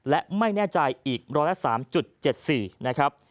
และไม่แน่ใจอีกร้อยละ๓๗๔นะครับ